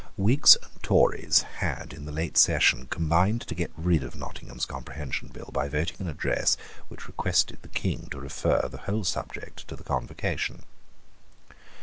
Whigs and Tories had in the late Session combined to get rid of Nottingham's Comprehension Bill by voting an address which requested the King to refer the whole subject to the Convocation.